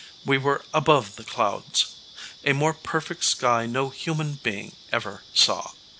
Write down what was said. We were above the clouds. A more perfect sky no human being ever saw.